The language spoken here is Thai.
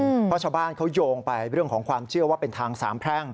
เพราะชาวบ้านเขาโยงไปเรื่องของความเชื่อว่าเป็นทางสามแพร่ง